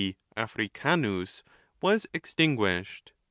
Africanus) was extinguished.